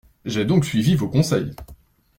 J’ai donc suivi vos conseils.